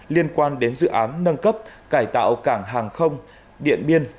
liên quan đến dự án nâng cấp cải tạo cảng hàng không điện biên